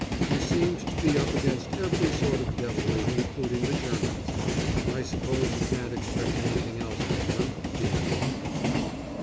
You seemed to be up against every sort of devilry, including the Germans. I suppose you can't expect anything else from them, being what they are.